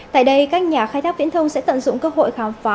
tại đây các nhà khai thác viễn thông sẽ tận dụng cơ hội khám phá